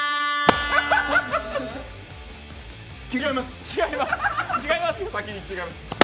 違います。